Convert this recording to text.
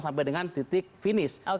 sampai dengan titik finish